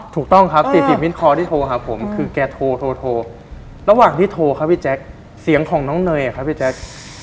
ถูกต้องครับ๔๐มิ้นคอที่โทรหาผมคือแกโทรระหว่างที่โทรครับพี่แจ๊คเสียงของน้องเนยอะครับพี่แจ๊ค